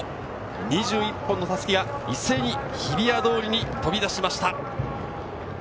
２１本の襷が一斉に日比谷通りに飛び出しました。